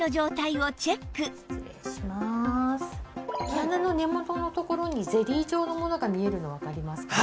毛穴の根元のところにゼリー状のものが見えるのわかりますか？